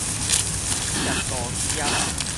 額度針